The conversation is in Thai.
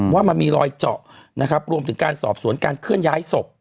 ว่ามันมีรอยเจาะนะครับรวมถึงการสอบสวนการเคลื่อนย้ายศพ